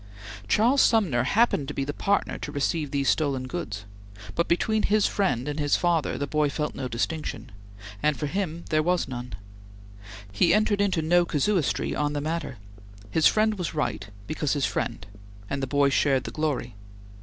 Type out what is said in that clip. Charles Sumner happened to be the partner to receive these stolen goods, but between his friend and his father the boy felt no distinction, and, for him, there was none. He entered into no casuistry on the matter. His friend was right because his friend, and the boy shared the glory.